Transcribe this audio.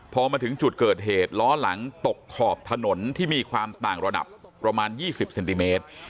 พอมาถึงจุดเกิดเหตุล้อหลังตกขอบถนนที่มีความต่างระดับประมาณ๒๐เซนติเมตร